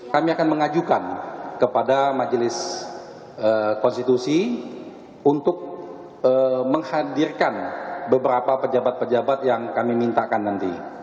kami akan mengajukan kepada majelis konstitusi untuk menghadirkan beberapa pejabat pejabat yang kami mintakan nanti